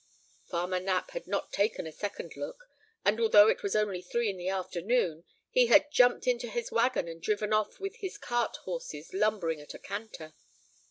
Farmer Knapp had not taken a second look, and, although it was only three in the afternoon, he had jumped into his wagon and driven off with his cart horses lumbering at a canter.